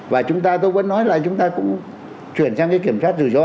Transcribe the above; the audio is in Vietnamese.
và chúng ta tôi vẫn nói là chúng ta cũng chuyển sang cái kiểm soát rủi ro